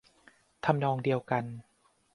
ทำนองเดียวกัน